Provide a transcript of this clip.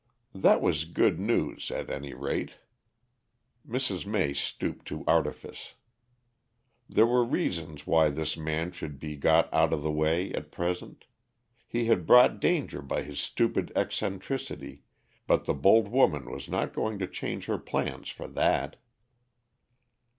That was good news, at any rate. Mrs. May stooped to artifice. There were reasons why this man should be got out of the way at present. He had brought danger by his stupid eccentricity, but the bold woman was not going to change her plans for that.